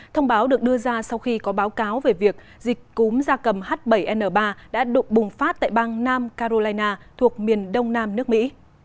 thông báo được đưa ra sau khi có báo cáo về việc dịch cúm da cầm h bảy n ba đã đột bùng phát tại bang nam carolina thuộc miền đông nam nước mỹ